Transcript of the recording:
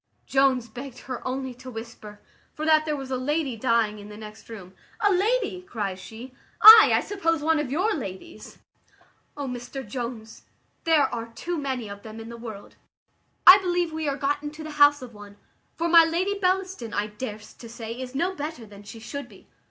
Jones begged her only to whisper, for that there was a lady dying in the next room. "A lady!" cries she; "ay, I suppose one of your ladies. O Mr Jones, there are too many of them in the world; I believe we are got into the house of one, for my Lady Bellaston I darst to say is no better than she should be."